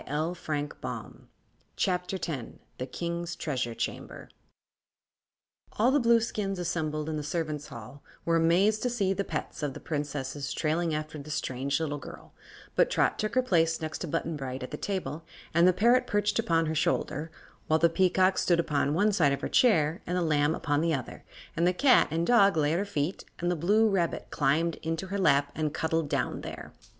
THE KING'S TREASURE CHAMBER Chapter 10. All the Blueskins assembled in the servants' hall were amazed to see the pets of the Princesses trailing after the strange little girl, but Trot took her place next to Button Bright at the table, and the parrot perched upon her shoulder, while the peacock stood upon one side of her chair, and the lamb upon the other, and the cat and dog lay at her feet, and the blue rabbit climbed into her lap and cuddled down there.